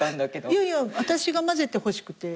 いやいや私が交ぜてほしくて。